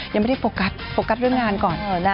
ยังไม่ได้โฟกัสด้วยงานก่อน